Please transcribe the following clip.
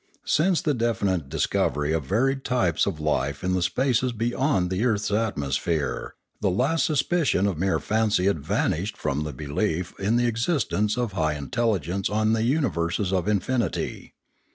Since the definite discovery of varied types of life in the spaces beyond the earth's atmosphere, the last suspicion of mere fancy had vanished from the belief in the existence of high intelligence on the universes of infinity.